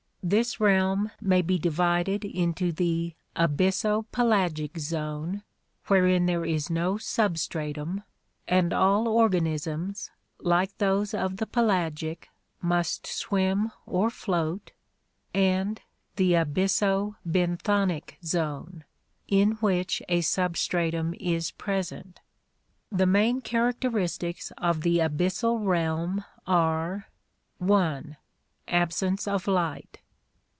This realm may be divided into the abysso pelagic zone, wherein there is no substratum, and all organisms, like those of the pelagic, must swim or float; and the abysso benthonic zone, in which a substratum is present. The main characteristics of the abyssal realm are: (1) Absence of light.